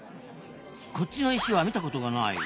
こっちの石は見たことがない。